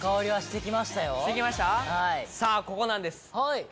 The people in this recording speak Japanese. さぁここなんです。